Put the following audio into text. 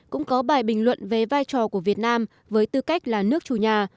cũng có bài bình luận về vai trò của việt nam với tư cách là nước chủ nhà